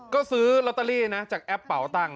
ก็ซื้อลอตเตอรี่นะจากแอปเป่าตังค